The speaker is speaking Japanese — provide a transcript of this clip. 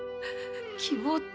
希望って。